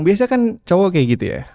biasanya kan cowok kayak gitu ya